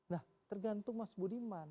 nah tergantung mas budiman